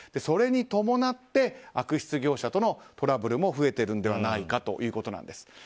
それに伴って悪質業者とのトラブルも増えているのではないかということなんです。